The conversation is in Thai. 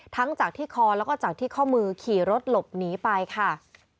ทั้งจากที่คอแล้วก็จากที่ข้อมือขี่รถหลบหนีไปค่ะ